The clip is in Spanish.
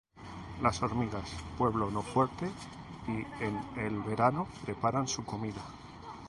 Las hormigas, pueblo no fuerte, Y en el verano preparan su comida;